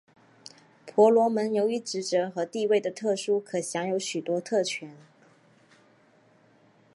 婆罗门由于职责和地位的特殊可享有许多特权。